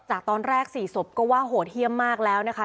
จากตอนแรก๔ศพก็ว่าโหดเยี่ยมมากแล้วนะคะ